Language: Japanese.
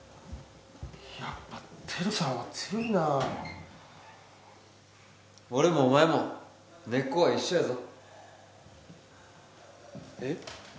やっぱテルさんは強いなぁ俺もお前も根っこは一緒やぞえっ？